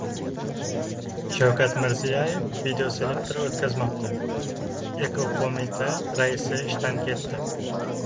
Shavkat Mirziyoyev videoselektor o‘tkazmoqda. Ekoqo‘mita raisi ishdan ketdi